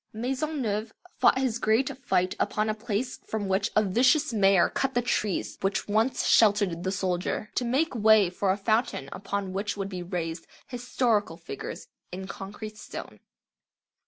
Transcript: Maisonneuve fought his great fight upon a place from which a vicious mayor cut the trees which once sheltered the soldier, to make way for a fountain upon which would be raised "historical" figures in concrete stone.